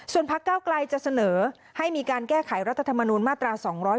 ส่วนภักร์ก้าวกลายจะเสนอให้มีการแก้ไขรัฐธรรมนุนมาตรา๒๗๒